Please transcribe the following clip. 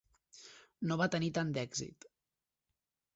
No va tenir tant d'èxit.